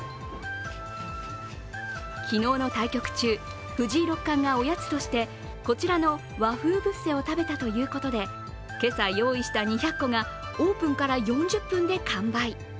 昨日の対局中、藤井六冠がおやつとしてこちらの和風ブッセを食べたということで今朝、用意した２００個がオープンから４０分で完売。